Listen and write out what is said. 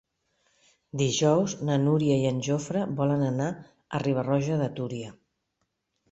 Dijous na Núria i en Jofre volen anar a Riba-roja de Túria.